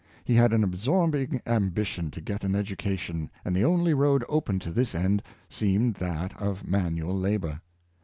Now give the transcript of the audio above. He had an absorbing ambition to get an edu cation, and the only road open to this end seemed that of manual labor.